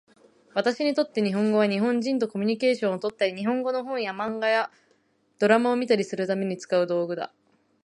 私にとって日本語は、日本人とコミュニケーションをとったり、日本語の本や漫画やドラマを見たりするために使う道具だ。